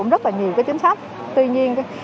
rất nhiều chính sách tuy nhiên